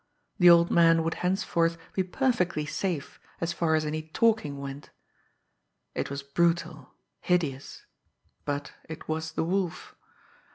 The old man would henceforth be perfectly safe, as far as any talking went! It was brutal, hideous but it was the Wolf!